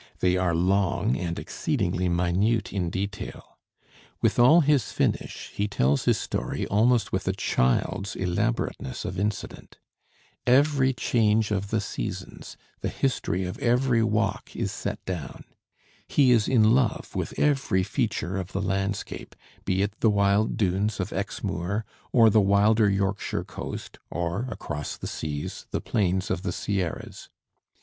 They are long and exceedingly minute in detail. With all his finish, he tells his story almost with a child's elaborateness of incident. Every change of the seasons, the history of every walk is set down. He is in love with every feature of the landscape, be it the wild doons of Exmoor or the wilder Yorkshire coast, or, across the seas, the plains of the Sierras.